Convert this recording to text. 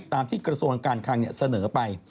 ตามที่กระทรวงการคังเสนอไป